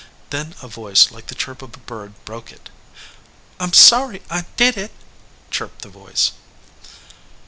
Then a voice like the chirp of a bird broke it. "I m sorry I did it," chirped the voice.